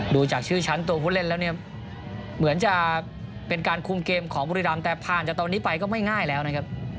ดูจากชื่อชั้นตัวผู้เล่นแล้วเนี่ยเหมือนจะเป็นการคุมเกมของบุรีรำแต่ผ่านจากตอนนี้ไปก็ไม่ง่ายแล้วนะครับ